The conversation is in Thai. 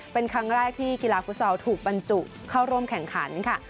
เป็นครั้งแรกที่กีฬาฟุตซอลถูกบรรจุเข้าร่วมแข่งขันค่ะ